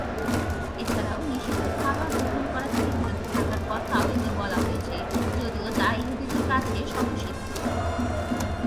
এছাড়াও নিষিদ্ধ খাবার গ্রহণ করা থেকে বিরত থাকার কথাও এতে বলা হয়েছে যদিও তা ইহুদিদের কাছে স্বতঃসিদ্ধ।